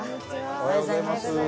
おはようございます。